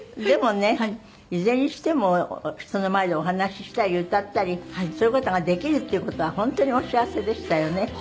でもねいずれにしても人の前でお話ししたり歌ったりそういう事ができるっていう事は本当にお幸せでしたよね。